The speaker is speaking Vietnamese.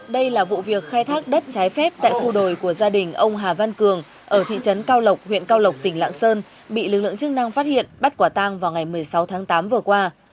đây là vụ việc khai thác đất trái phép tại khu đồi của gia đình ông hà văn cường ở thị trấn cao lộc huyện cao lộc tỉnh lạng sơn bị lực lượng chức năng phát hiện bắt quả tang vào ngày một mươi sáu tháng tám vừa qua